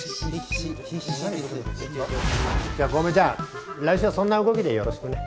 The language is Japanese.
じゃあ小梅ちゃん来週はそんな動きでよろしくね。